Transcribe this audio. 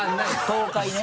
「東海」